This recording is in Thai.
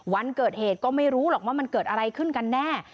วันเกิดเหตุก็ไม่รู้หรอกว่ามันเกิดอะไรขึ้นกันแน่